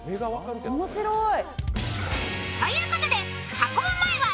面白い。